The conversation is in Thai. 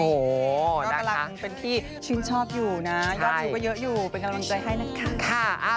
ก็กำลังเป็นที่ชื่นชอบอยู่นะยอดชู้ก็เยอะอยู่เป็นกำลังใจให้นะคะ